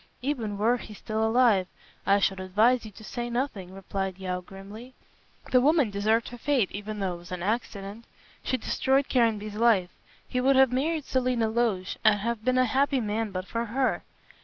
"Even were he still alive, I should advise you to say nothing," replied Yeo, grimly; "the woman deserved her fate, even though it was an accident. She destroyed Caranby's life. He would have married Selina Loach and have been a happy man but for her."